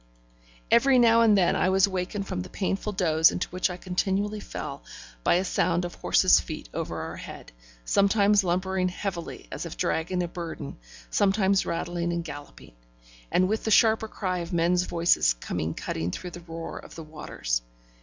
Every now and then I was wakened from the painful doze into which I continually fell, by a sound of horses' feet over our head: sometimes lumbering heavily as if dragging a burden, sometimes rattling and galloping; and with the sharper cry of men's voices coming cutting through the roar of the waters.